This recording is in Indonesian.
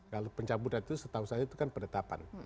kalau pencabutan itu setahun selanjutnya itu kan pendetapan